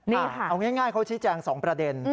เอาง่ายโคชิแจงสองประเด็น